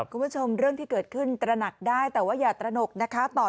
เรื่องที่เกิดขึ้นตระหนักได้แต่ว่าอย่าตระหนกนะคะ